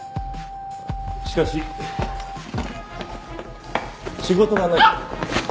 しかし仕事がない。